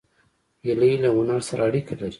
هیلۍ له هنر سره اړیکه لري